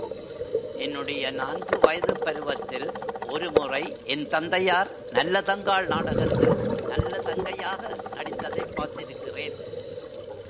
என்னுடைய நான்கு வயதுப் பருவத்தில் ஒரு முறை என் தந்தையார் நல்ல தங்காள் நாடகத்தில் நல்லதங்கையாக நடித்ததைப் பார்த்திருக்கிறேன்.